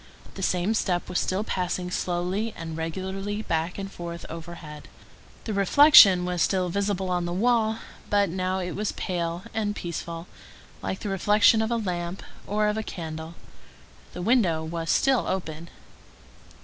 The same step was still passing slowly and regularly back and forth overhead. The reflection was still visible on the wall, but now it was pale and peaceful, like the reflection of a lamp or of a candle. The window was still open.